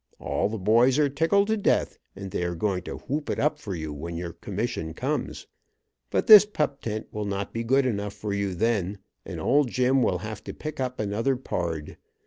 All the boys are tickled to death, and they are going to whoop it up for you when your commission comes. But this pup tent will not be good enough for you then, and old Jim will have to pick up another pard.